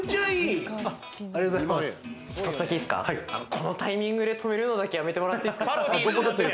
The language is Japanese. このタイミングで止めるのだけはやめてもらっていいですか。